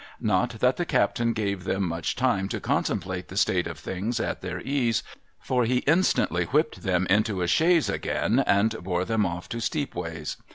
Not that the captain gave them much time to contemplate th.e state of things at their ease, for he instantly whipped them into a chaise, again, and bore them off to Steepways.